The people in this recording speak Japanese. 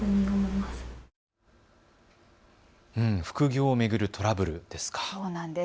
副業を巡るトラブルですか。